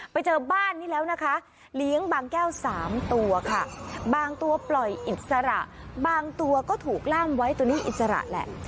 ไปเจอบ้านนี้แล้วนะคะเลี้ยงบางแก้ว๓ตัวค่ะบางตัวปล่อยอิสระบางตัวก็ถูกล่ามไว้ตัวนี้อิสระแหละ